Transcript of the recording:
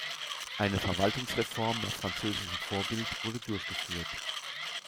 Eine Verwaltungsreform nach französischem Vorbild wurde durchgeführt.